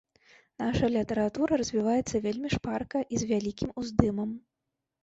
Наша літаратура развіваецца вельмі шпарка і з вялікім уздымам.